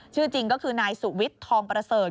ชื่อจริงก็คือนายสุวิทย์ทองประเสริฐ